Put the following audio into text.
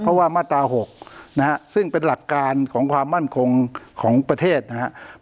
เพราะว่ามาตรา๖นะฮะซึ่งเป็นหลักการของความมั่นคงของประเทศนะครับ